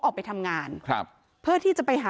ก็คุณตามมาอยู่กรงกีฬาดครับ